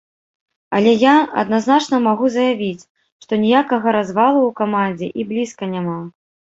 Але я адназначна магу заявіць, што ніякага развалу ў камандзе і блізка няма.